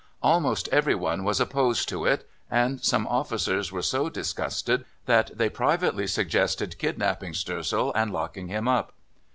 Almost every one was opposed to it, and some officers were so disgusted that they privately suggested kidnapping Stoessel and locking him up.